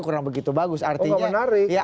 kurang begitu bagus oh nggak menarik